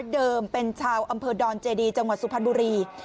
เดิมเป็นชาวอำเภอดอนเจดีจังหวัดสุพรรณบุรี